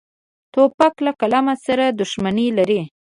توپک له قلم سره دښمني لري.